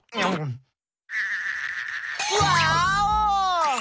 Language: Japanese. ワーオ！